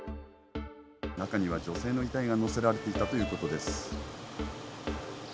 中には女性の遺体が乗せられていたということです。